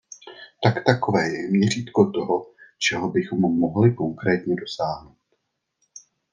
Tak takové je měřítko toho, čeho bychom mohli konkrétně dosáhnout!